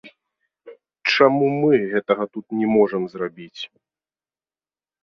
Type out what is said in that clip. Чаму мы гэтага тут не можам зрабіць?